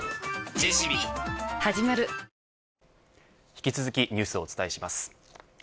引き続きニュースをお伝えします。